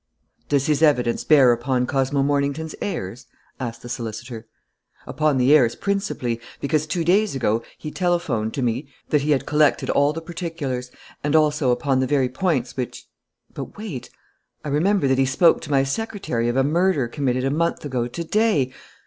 "Does his evidence bear upon Cosmo Mornington's heirs?" asked the solicitor. "Upon the heirs principally, because two days ago he telephoned to me that he had collected all the particulars, and also upon the very points which But wait: I remember that he spoke to my secretary of a murder committed a month ago to day....